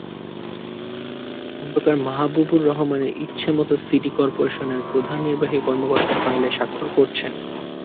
খন্দকার মাহাবুবুর রহমানের ইচ্ছেমতো সিটি করপোরেশনের প্রধান নির্বাহী কর্মকর্তা ফাইলে স্বাক্ষর করছেন।